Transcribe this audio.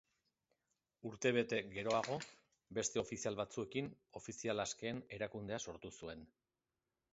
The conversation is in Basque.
Urtebete geroago, beste ofizial batzuekin Ofizial Askeen erakundea sortu zuen.